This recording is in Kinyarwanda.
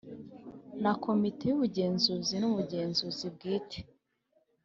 Na Komite Y Ubugenzuzi N Umugenzuzi Bwite